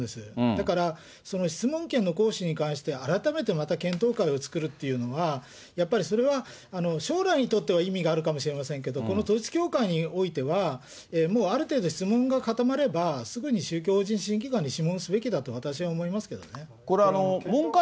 だから、その質問権の行使に関して改めてまた検討会を作るというのは、やっぱりそれは将来にとっては意味があるかもしれませんけれども、この統一教会においては、もうある程度質問が固まれば、すぐに宗教法人審議会に諮問すべきだと私は思いますけどね。